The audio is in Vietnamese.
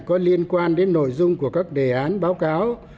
có liên quan đến nội dung của các đề án báo cáo